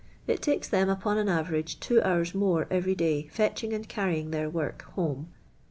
It tikes them, upon an avcnige, two hours more ev.'ry day fetching and eanyinij their work home.